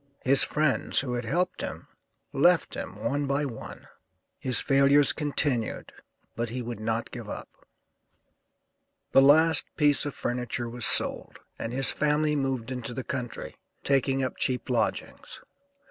His friends, who had helped him, left him one by one; his failures continued, but he would not give up. The last piece of furniture was sold, and his family moved into the country, taking up cheap lodgings.